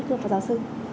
thưa phó giáo sư